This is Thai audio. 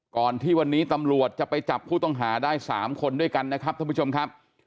ก่อนที่วันนี้ตำรวจจะไปจับผู้ต้องหาได้๓คนด้วยกันนะครับท่านผู้ชมครับ